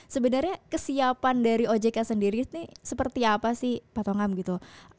sebenarnya kesiapan dari ojk sendiri ini seperti apa sih pak tongam gitu